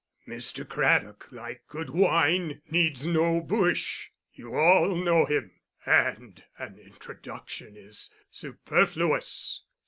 "Mr. Craddock, like good wine, needs no bush. You all know him, and an introduction is superfluous.